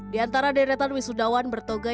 di antara deretan wisudawan bertoga yang berkata